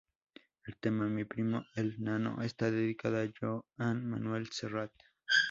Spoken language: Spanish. El tema "Mi primo el Nano" está dedicado a Joan Manuel Serrat.